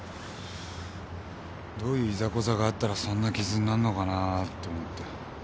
どういういざこざがあったらそんな傷になんのかなぁと思って。